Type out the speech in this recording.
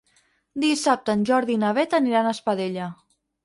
Dissabte en Jordi i na Beth aniran a Espadella.